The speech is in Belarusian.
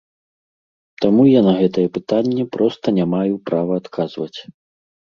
Таму я на гэтае пытанне проста не маю права адказваць.